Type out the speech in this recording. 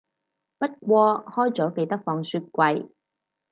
不過開咗記得放雪櫃